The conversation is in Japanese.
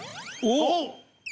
おっ！